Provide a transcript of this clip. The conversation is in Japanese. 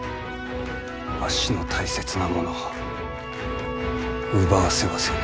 わしの大切なものを奪わせはせぬ。